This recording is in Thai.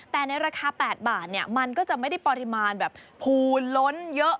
แต่ในราคา๘บาทมันก็จะไม่ได้ปริมาณแบบภูลล้นเยอะ